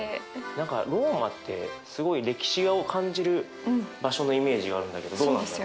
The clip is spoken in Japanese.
何かローマってすごい歴史を感じる場所のイメージがあるんだけどどうなんだろう。